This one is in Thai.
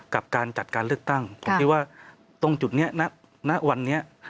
กับการจัดการเลือกตั้งผมคิดว่าตรงจุดนี้ณวันนี้